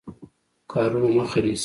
کارونو مخه نیسي.